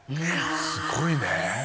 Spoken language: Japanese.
すごいね。